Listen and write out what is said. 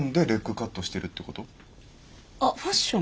あっファッション？